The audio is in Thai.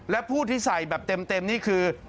และผู้ที่ใส่แบบเต็มนี่คือ